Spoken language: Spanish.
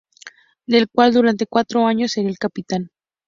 Del cual durante cuatro años sería el capitán.